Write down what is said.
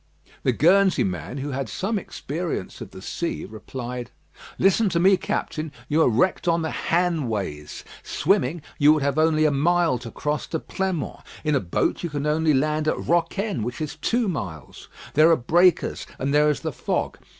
The Guernsey man, who had some experience of the sea, replied: "Listen to me, Captain. You are wrecked on the Hanways. Swimming, you would have only a mile to cross to Pleinmont. In a boat you can only land at Rocquaine, which is two miles. There are breakers, and there is the fog.